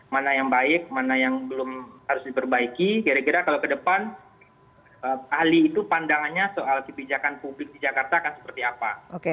mana yang baik mana yang belum harus diperbaiki kira kira kalau ke depan ahli itu pandangannya soal kebijakan publik di jakarta akan seperti apa